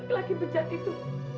laki laki bejat itu